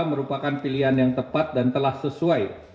merupakan pilihan yang tepat dan telah sesuai